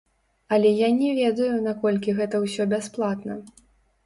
Але я не ведаю, наколькі гэта ўсё бясплатна.